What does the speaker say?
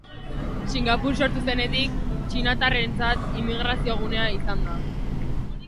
Singapur sortu zenetik, txinatarrentzat immigrazio-gunea izan da.